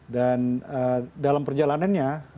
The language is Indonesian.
dan dalam perjalanannya